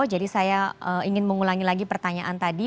jadi saya ingin mengulangi lagi pertanyaan tadi